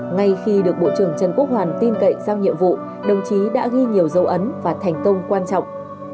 ngay khi được bộ trưởng trần quốc hoàn tin cậy giao nhiệm vụ đồng chí đã ghi nhiều dấu ấn và thành công quan trọng